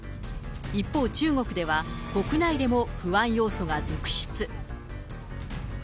一方、中国では、国内でも不安要素が続出。